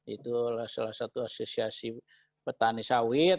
itu salah satu asosiasi petani sawit